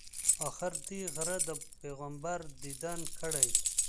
آخر دې غره د پیغمبر دیدن کړی.